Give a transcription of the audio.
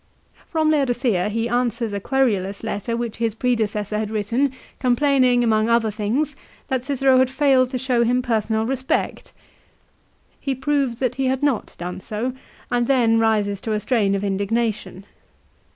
3 From Laodicea he answers a querulous letter which his predecessor had written complaining, among other things, that Cicero had failed to show him personal respect. He proves that he had not done so, and then rises to a strain of indignation.